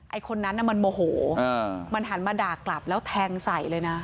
คนนั้นน่ะมันโมโหมันหันมาด่ากลับแล้วแทงใส่เลยนะ